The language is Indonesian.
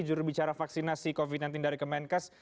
jurubicara vaksinasi covid sembilan belas dari kemenkes